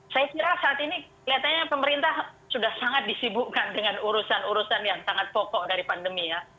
saya kira saat ini kelihatannya pemerintah sudah sangat disibukkan dengan urusan urusan yang sangat pokok dari pandemi ya